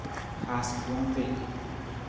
Haasa gbong tii.